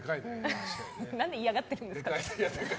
何で嫌がってるんですか。